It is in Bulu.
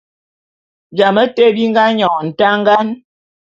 Jame te bi nga nyon ntangan.